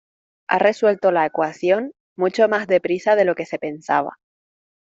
Ha resuelto la ecuación mucho más deprisa de lo que se pensaba.